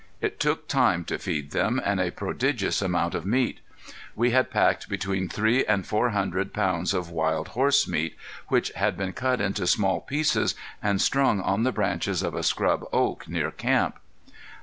It took time to feed them, and a prodigious amount of meat. We had packed between three and four hundred pounds of wild horse meat, which had been cut into small pieces and strung on the branches of a scrub oak near camp.